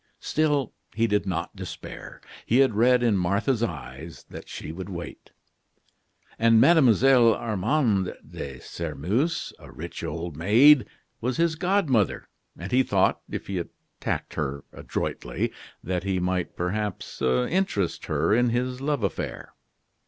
Still he did not despair. He had read in Martha's eyes that she would wait. And Mlle. Armande de Sairmeuse, a rich old maid, was his god mother; and he thought, if he attacked her adroitly, that he might, perhaps, interest her in his love affair.